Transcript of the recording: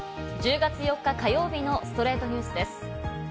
１０月４日、火曜日の『ストレイトニュース』です。